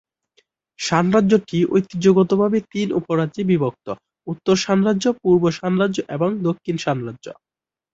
শান রাজ্যটি ঐতিহ্যগতভাবে তিন উপ-রাজ্যে বিভক্ত: উত্তর শান রাজ্য, পূর্ব শান রাজ্য এবং দক্ষিণ শান রাজ্য।